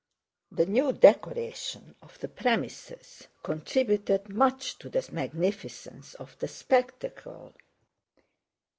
The new decoration of the Premises contributed much to the magnificence of the spectacle.